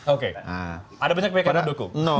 oke ada banyak yang tidak mendukung